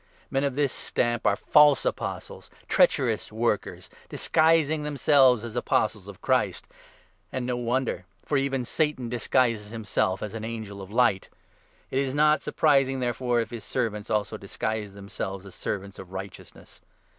Men of this stamp are false apostles, treacherous workers, 13 disguising themselves as Apostles of Christ ! And no wonder ; 14 for even Satan disguises himself as an angel of Light. It is not 15 surprising, therefore, if his servants also disguise themselves as servants of Righteousness.